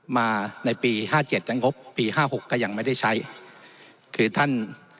มาในปีห้าเจ็ดและงบปีห้าหกก็ยังไม่ได้ใช้คือท่าน